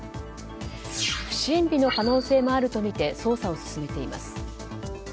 不審火の可能性もあるとみて捜査を進めています。